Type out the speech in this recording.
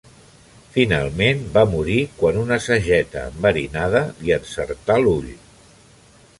Finalment va morir quan una sageta enverinada li encertà l'ull.